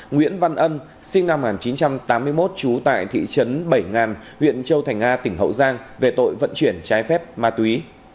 nguyễn văn ân sinh năm một nghìn chín trăm tám mươi một trú tại thị trấn bảy ngàn huyện châu thành a tỉnh hậu giang về tội vận chuyển trái phép ma túy